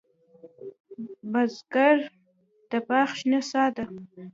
بزګر د باغ شنه سا ده